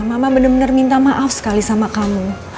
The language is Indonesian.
mama bener bener minta maaf sekali sama kamu